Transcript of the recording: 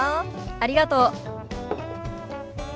ありがとう。